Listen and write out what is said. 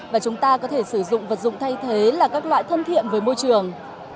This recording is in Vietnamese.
và chúng ta có thể sử dụng vật dụng thay thế là các loại thân thiện với môi trường